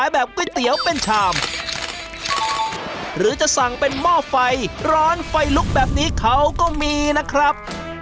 แบบนี้เขาก็มีนะครับ